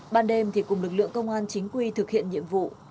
ban đêm thì cùng lực lượng công an chính quy thực hiện nhiệm vụ